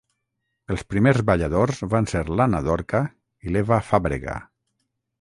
Els primers balladors van ser l’Anna Dorca i l’Eva Fàbrega.